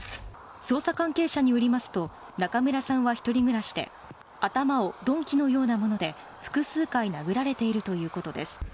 捜査関係者によりますと中村さんは１人暮らしで頭を鈍器のようなもので複数回殴られているということです。